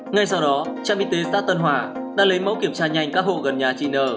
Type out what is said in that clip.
ngay sau đó trạm y tế xã tân hòa đã lấy mẫu kiểm tra nhanh các hộ gần nhà chị nờ